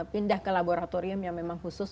pindah ke laboratorium yang memang khusus